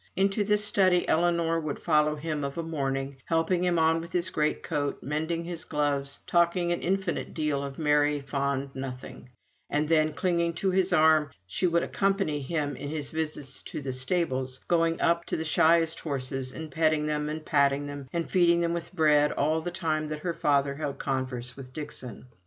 Into this study Ellinor would follow him of a morning, helping him on with his great coat, mending his gloves, talking an infinite deal of merry fond nothing; and then, clinging to his arm, she would accompany him in his visits to the stables, going up to the shyest horses, and petting them, and patting them, and feeding them with bread all the time that her father held converse with Dixon.